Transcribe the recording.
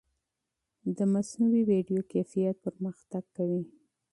د مصنوعي ویډیو کیفیت پرمختګ کوي.